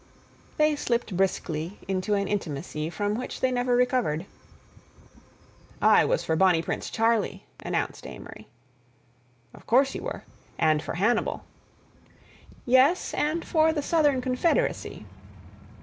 They slipped briskly into an intimacy from which they never recovered. "I was for Bonnie Prince Charlie," announced Amory. "Of course you were—and for Hannibal—" "Yes, and for the Southern Confederacy."